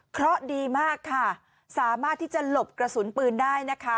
เพราะดีมากค่ะสามารถที่จะหลบกระสุนปืนได้นะคะ